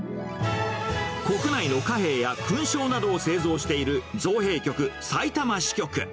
国内の貨幣や勲章などを製造している造幣局さいたま支局。